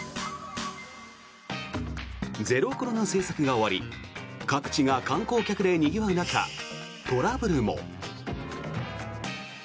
ゼロコロナ政策が終わり各地が観光客でにぎわう中トラブルも。